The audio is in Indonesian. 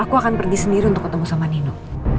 aku akan pergi sendiri untuk ketemu sama nino